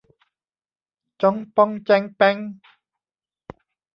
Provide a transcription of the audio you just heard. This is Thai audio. จ๊องป๊องแจ๊งแป๊ง